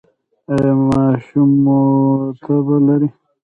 ایا ماشوم مو تبه لري؟